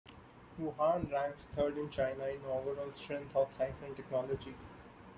Wuhan ranks third in China in overall strength of science and technology.